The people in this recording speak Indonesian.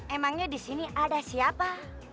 emangnya disini ada siapa